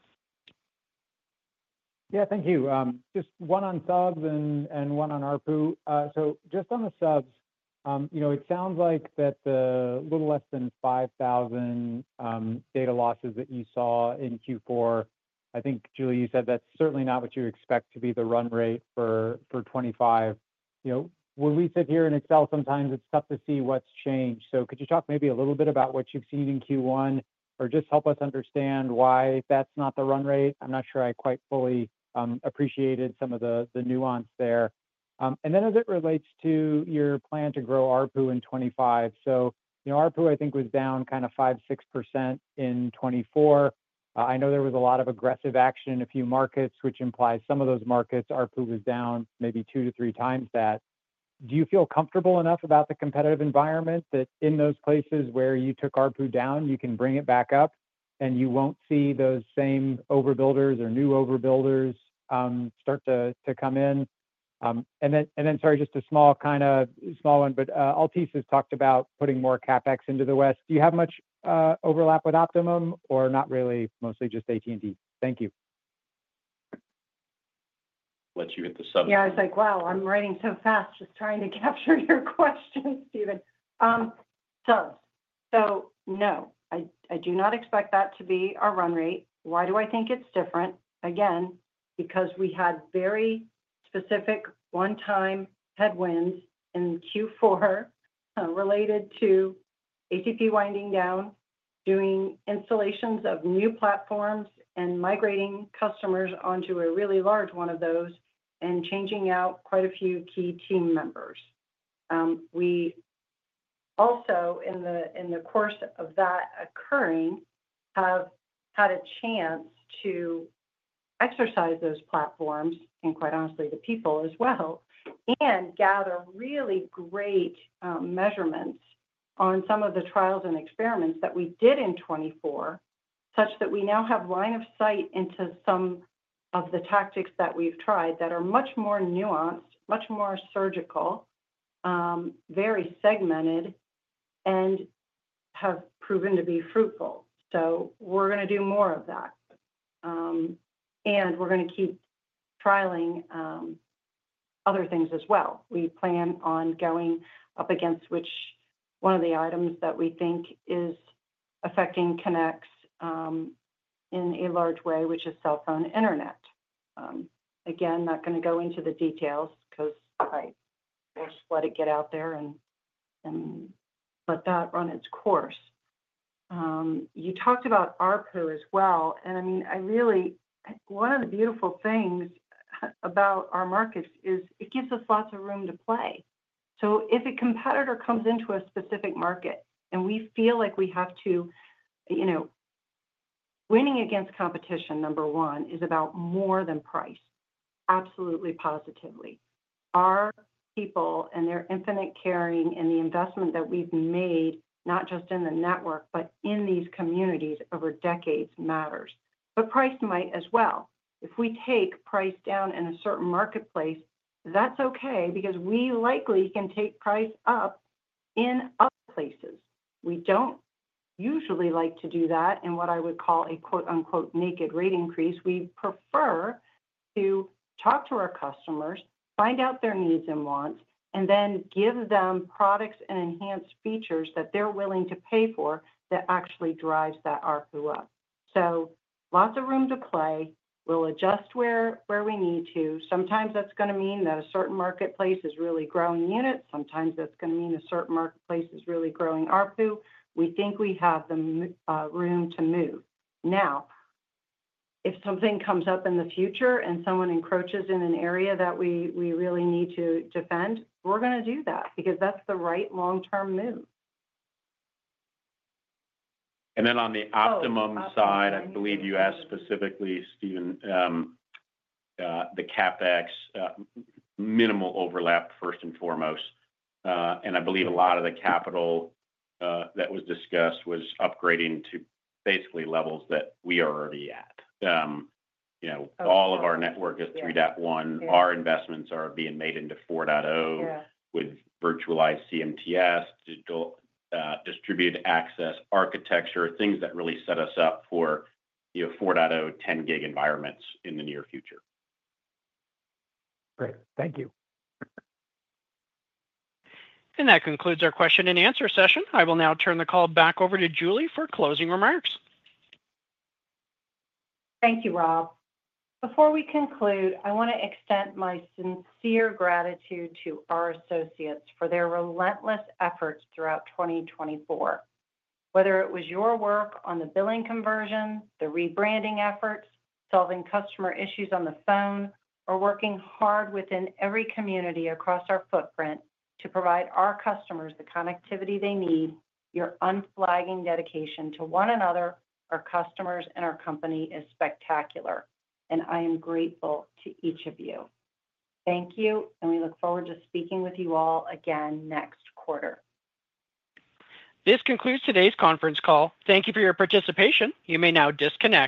Yeah. Thank you. Just one on subs and one on ARPU. Just on the subs, you know, it sounds like the little less than 5,000 data losses that you saw in Q4, I think, Julie, you said that's certainly not what you expect to be the run rate for 2025. You know, when we sit here and excel, sometimes it's tough to see what's changed. Could you talk maybe a little bit about what you've seen in Q1 or just help us understand why that's not the run rate? I'm not sure I quite fully appreciated some of the nuance there. As it relates to your plan to grow ARPU in 2025, so you know, ARPU, I think, was down kind of 5%-6% in 2024. I know there was a lot of aggressive action in a few markets, which implies some of those markets ARPU was down maybe two to three times that. Do you feel comfortable enough about the competitive environment that in those places where you took ARPU down, you can bring it back up and you will not see those same overbuilders or new overbuilders start to come in? Sorry, just a small kind of small one, but Altice has talked about putting more CapEx into the West. Do you have much overlap with Optimum or not really, mostly just AT&T? Thank you. Let you hit the sub. Yeah. I was like, wow, I'm writing so fast just trying to capture your question, Steven. Subs. No, I do not expect that to be our run rate. Why do I think it's different? Again, we had very specific one-time headwinds in Q4 related to ACP winding down, doing installations of new platforms, and migrating customers onto a really large one of those and changing out quite a few key team me mbers. We also, in the course of that occurring, have had a chance to exercise those platforms and, quite honestly, the people as well, and gather really great measurements on some of the trials and experiments that we did in 2024, such that we now have line of sight into some of the tactics that we've tried that are much more nuanced, much more surgical, very segmented, and have proven to be fruitful. We're going to do more of that. We're going to keep trialing other things as well. We plan on going up against which one of the items that we think is affecting connects in a large way, which is cell phone internet. Again, not going to go into the details because I just let it get out there and let that run its course. You talked about ARPU as well. I mean, one of the beautiful things about our markets is it gives us lots of room to play. If a competitor comes into a specific market and we feel like we have to, you know, winning against competition, number one, is about more than price, absolutely positively. Our people and their infinite caring and the investment that we've made, not just in the network, but in these communities over decades matters. Price might as well. If we take price down in a certain marketplace, that's okay because we likely can take price up in other places. We don't usually like to do that in what I would call a quote unquote naked rate increase. We prefer to talk to our customers, find out their needs and wants, and then give them products and enhanced features that they're willing to pay for that actually drives that ARPU up. Lots of room to play. We'll adjust where we need to. Sometimes that's going to mean that a certain marketplace is really growing units. Sometimes that's going to mean a certain marketplace is really growing ARPU. We think we have the room to move. Now, if something comes up in the future and someone encroaches in an area that we really need to defend, we're going to do that because that's the right long-term move. On the Optimum side, I believe you asked specifically, Steven, the CapEx minimal overlap, first and foremost. I believe a lot of the capital that was discussed was upgrading to basically levels that we are already at. You know, all of our network is 3.1. Our investments are being made into 4.0 with virtualized CMTS, distributed access architecture, things that really set us up for, you know, 4 out of 10 gig environments in the near future. Great. Thank you. That concludes our question and answer session. I will now turn the call back over to Julie for closing remarks. Thank you, Rob. Before we conclude, I want to extend my sincere gratitude to our associates for their relentless efforts throughout 2024, whether it was your work on the billing conversion, the rebranding efforts, solving customer issues on the phone, or working hard within every community across our footprint to provide our customers the connectivity they need. Your unflagging dedication to one another, our customers, and our company is spectacular. I am grateful to each of you. Thank you. We look forward to speaking with you all again next quarter. This concludes today's conference call. Thank you for your participation. You may now disconnect.